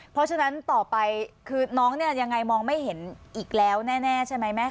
เพราะฉะนั้นต่อไปคือน้องเนี่ยยังไงมองไม่เห็นอีกแล้วแน่ใช่ไหมแม่